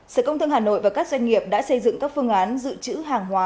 sở công thương hà nội và các doanh nghiệp đã xây dựng các phương án dự trữ hàng hóa